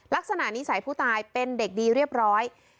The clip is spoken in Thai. ลักษณะนิสัยผู้ตายเป็นเด็กดีเรียบร้อย